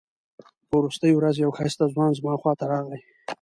په وروستۍ ورځ یو ښایسته ځوان زما خواته راغی.